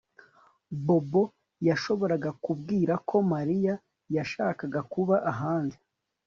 Bobo yashoboraga kubwira ko Mariya yashakaga kuba ahandi